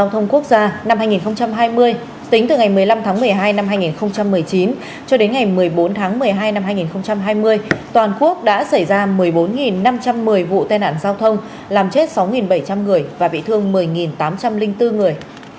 tính từ ngày một mươi năm tháng một mươi hai năm hai nghìn một mươi chín cho đến ngày một mươi bốn tháng một mươi hai năm hai nghìn hai mươi toàn quốc đã xảy ra một mươi bốn năm trăm một mươi vụ tai nạn giao thông làm chết sáu bảy trăm linh người và bị thương một mươi tám trăm linh bốn người